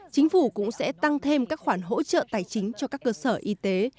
chính phủ cũng sẽ tăng thêm các khoản hỗ trợ tài chính cho các cơ sở y tế